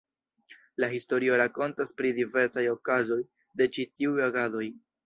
La historio rakontas pri diversaj okazoj de ĉi tiuj agadoj.